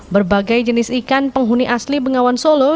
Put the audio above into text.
berbagai jenis ikan penghuni asli bengawan solo